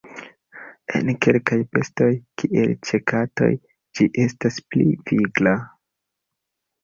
En kelkaj bestoj, kiel ĉe katoj ĝi estas pli vigla.